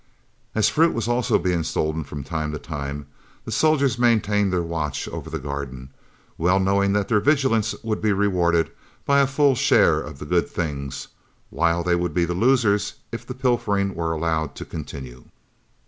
As fruit was also being stolen from time to time, the soldiers maintained their watch over the garden, well knowing that their vigilance would be rewarded by a full share of the good things, while they would be the losers if the pilfering were allowed to continue.